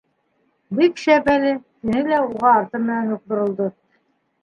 — Бик шәп әле, — тине лә уға арты менән үк боролдо.